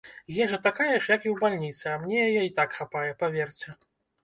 Ежа такая ж, як і ў бальніцы, а мне яе і так хапае, паверце.